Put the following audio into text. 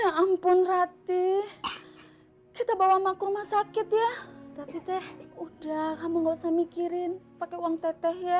ya ampun ratih kita bawa makul masakit ya udah udah kamu nggak usah mikirin pakai uang teteh ya